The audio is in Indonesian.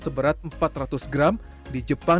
seberat empat ratus gram di jepang